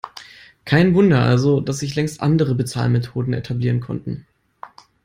Kein Wunder also, dass sich längst andere Bezahlmethoden etablieren konnten.